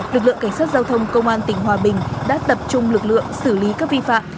lực lượng cảnh sát giao thông công an tỉnh hòa bình đã tập trung lực lượng xử lý các vi phạm